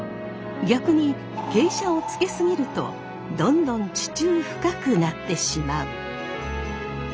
逆に傾斜をつけ過ぎるとどんどん地中深くなってしまう。